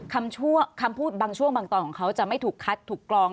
คำพูดบางช่วงบางตอนของเขาจะไม่ถูกคัดถูกกรอง